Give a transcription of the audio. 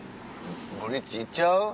ブリッジ行っちゃう？